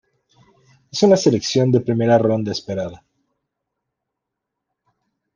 Es una selección de primera ronda esperada.